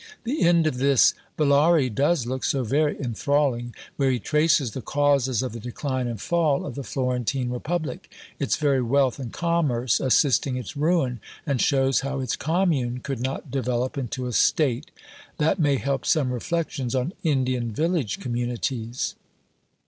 The end of this Villari does look so very enthralling, where he traces the causes of the decline and fall of the Florentine Republic its very wealth and commerce assisting its ruin, and shows how its "Commune" could not develop into a "State" (that may help some reflections on Indian Village Communities).